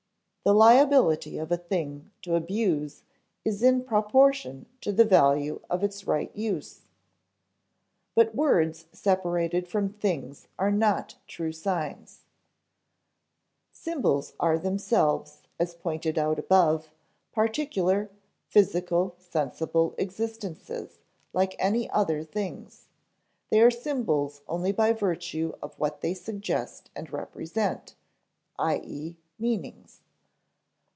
The liability of a thing to abuse is in proportion to the value of its right use. [Sidenote: But words separated from things are not true signs] Symbols are themselves, as pointed out above, particular, physical, sensible existences, like any other things. They are symbols only by virtue of what they suggest and represent, i.e. meanings.